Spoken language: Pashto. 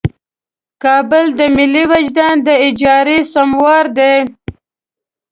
کابل د ملي وجدان د اجارې سموار دی.